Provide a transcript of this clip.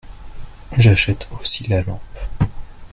J'achète aussi la lampe.